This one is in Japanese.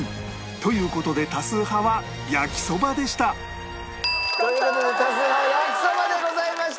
という事で多数派は焼きそばでしたという事で多数派焼きそばでございました。